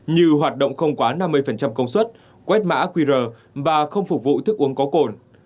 như hoạt động không quá năm mươi công suất quét mã qr và không phục vụ thức uống có cồn